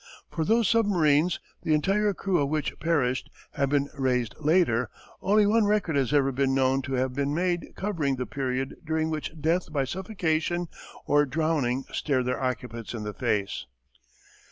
For, though submarines, the entire crew of which perished, have been raised later, only one record has ever been known to have been made covering the period during which death by suffocation or drowning stared their occupants in the face.